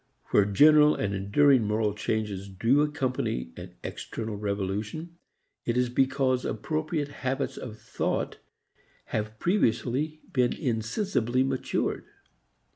Where general and enduring moral changes do accompany an external revolution it is because appropriate habits of thought have previously been insensibly matured.